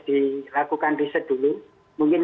dilakukan riset dulu mungkin